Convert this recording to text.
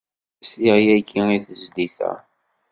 Sliɣ yagi i tezlit-a.